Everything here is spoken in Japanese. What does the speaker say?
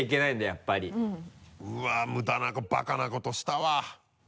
やっぱりうわっ無駄なことバカなことしたわ。